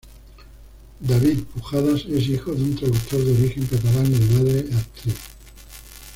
David Pujadas es hijo de un traductor de origen catalán y de madre, actriz.